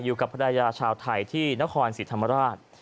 อยู่กับภรรยาชาวไทยที่นครศรีธรรมราช